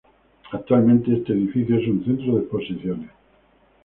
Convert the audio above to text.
Actualmente este edificio es un centro de exposiciones.